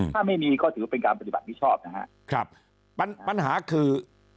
ถ้าไม่มีก็ถือเป็นการปฏิบัติมิชอบนะฮะครับปัญหาคือ